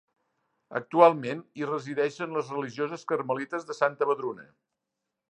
Actualment hi resideixen les religioses Carmelites de Santa Vedruna.